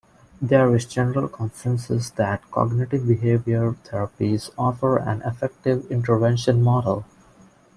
There is general consensus that cognitive-behavioural therapies offer an effective intervention model.